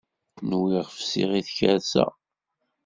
Nwiɣ fsiɣ i tkersa.